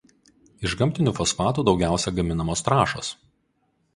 Iš gamtinių fosfatų daugiausia gaminamos trąšos.